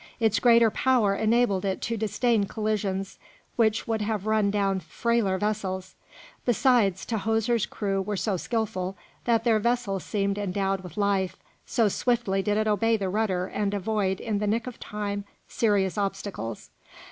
Its greater power enabled it to disdain collisions which would have run down frailer vessels. Besides, Tahoser's crew were so skilful that their vessel seemed endowed with life, so swiftly did it obey the rudder and avoid in the nick of time serious obstacles.